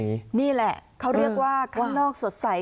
นี่แหละเขาเรียกว่าข้างนอกสดใส